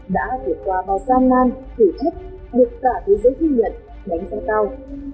đã vượt qua bao gian nan thử thách được cả thế giới ghi nhận đánh giá cao